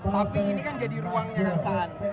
tapi ini kan jadi ruang menyarankan saan